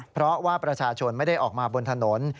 เพราะว่าประชาชนไม่ได้ออกมาบนถนน